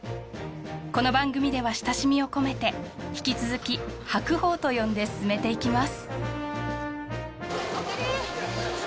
この番組では親しみを込めて引き続き「白鵬」と呼んで進めていきます